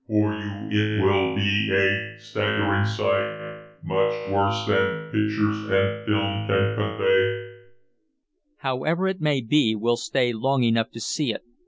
For you it will be a staggering sight, much worse than pictures and film can convey." "However it may be, we'll stay long enough to see it.